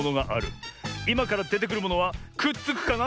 いまからでてくるものはくっつくかな？